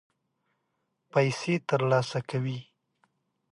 پیسې ترلاسه کوي.